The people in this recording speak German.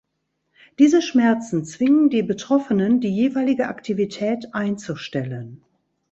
Diese Schmerzen zwingen die Betroffenen, die jeweilige Aktivität einzustellen.